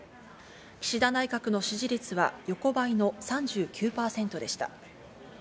岸田内閣の支持率は横ばいの３９％でした。